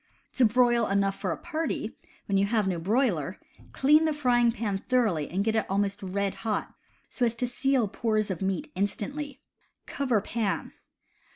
To broil enough for a party, when you have no broiler, clean the frying pan thoroughly and get it almost red hot, so as to seal pores of meat instantly. Cover pan.